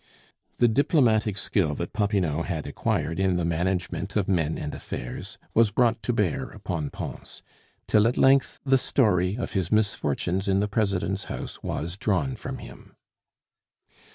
The diplomatic skill that Popinot had acquired in the management of men and affairs was brought to bear upon Pons, till at length the story of his misfortunes in the President's house was drawn from him.